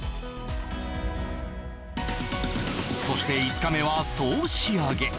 そして５日目は総仕上げ